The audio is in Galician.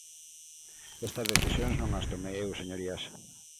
Estas decisións non as tomei eu, señorías.